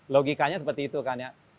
logikanya seperti itu kan ya